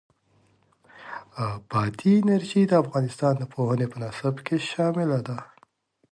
بادي انرژي د افغانستان د پوهنې په نصاب کې شامل ده.